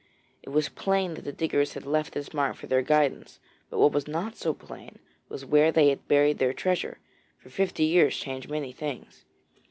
It was plain that the diggers had left this mark for their guidance, but what was not so plain was where they had buried their treasure, for fifty years change many things.